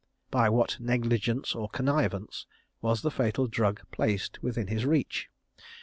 By what negligence or connivance was the fatal drug placed within his reach?